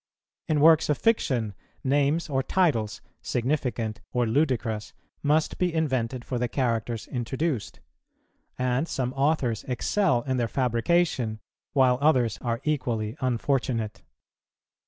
In works of fiction, names or titles, significant or ludicrous, must be invented for the characters introduced; and some authors excel in their fabrication, while others are equally unfortunate.